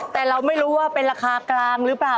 แต่เราไม่รู้ว่าเป็นราคากลางหรือเปล่า